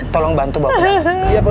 tolong bantu bapak